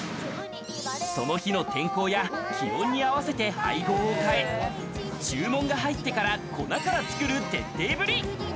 その日の天候や気温に合わせて配合を変え、注文が入ってから、粉から作る徹底ぶり。